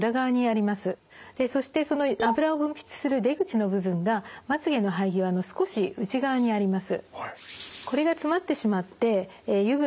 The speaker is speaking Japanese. そしてその油を分泌する出口の部分がまつげの生え際の少し内側にあります。